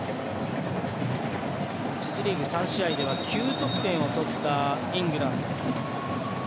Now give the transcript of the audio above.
１次リーグ３試合では９得点を取ったイングランド。